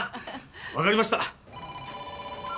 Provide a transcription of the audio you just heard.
分かりました！